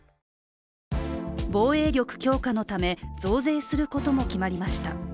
防衛力強化のため、増税することも決まりました。